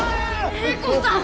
映子さん